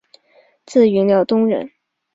自云辽东人。